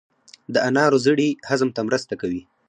د انارو زړې هضم ته مرسته کوي.